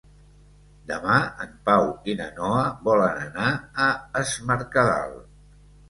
Demà en Pau i na Noa volen anar a Es Mercadal.